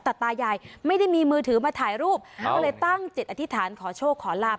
แต่ตายายไม่ได้มีมือถือมาถ่ายรูปก็เลยตั้งจิตอธิษฐานขอโชคขอลาบ